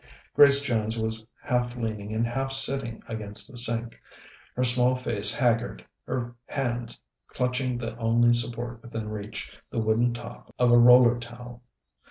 Grace Jones was half leaning and half sitting against the sink, her small face haggard, her hands clutching the only support within reach, the wooden top of a roller towel.